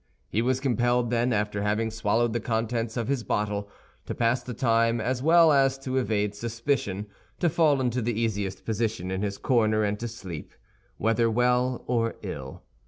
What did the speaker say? He was compelled, then, after having swallowed the contents of his bottle, to pass the time as well as to evade suspicion, to fall into the easiest position in his corner and to sleep, whether well or ill.